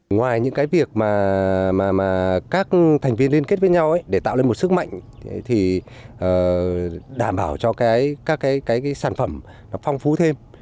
ngoài những cái việc mà các thành viên liên kết với nhau để tạo lên một sức mạnh thì đảm bảo cho các cái sản phẩm nó phong phú thêm